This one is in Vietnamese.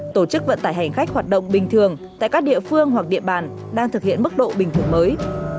tổ chức vận tải hành khách hoạt động bình thường tại các địa phương hoặc địa bàn đang thực hiện mức độ bình thường mới